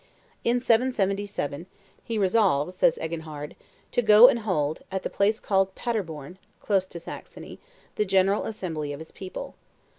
In 777, he resolved, says Eginhard, "to go and hold, at the place called Paderborn (close to Saxony) the general assembly of his people.